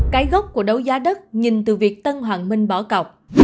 cái gốc của đấu giá đất nhìn từ việc tân hoàng minh bỏ cọc